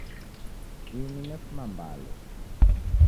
Ini nefuma Mbale.